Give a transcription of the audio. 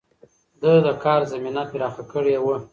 ده د کار زمينه پراخه کړې وه.